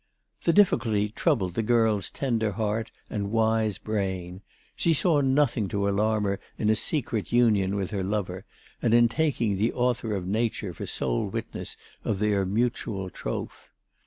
The difficulty troubled the girl's tender heart and wise brain. She saw nothing to alarm her in a secret union with her lover and in taking the author of nature for sole witness of their mutual troth.